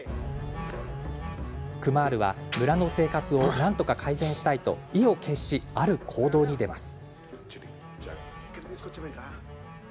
クマールは村の生活をなんとか改善したいと意を決しある行動に出ます。